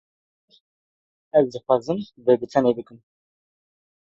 Ez dixwazim vê bi tenê bikim.